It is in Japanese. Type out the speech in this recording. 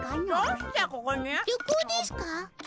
旅行ですかあ？